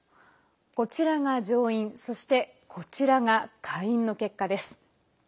こちらが上院そして、こちらが下院の結果です。